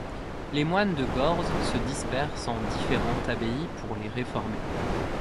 Les moines de Gorze se dispersent en différentes abbayes pour les réformer.